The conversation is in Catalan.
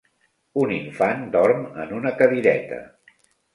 Un infant dorm en una cadireta.